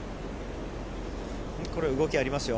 これ、動きありますよ。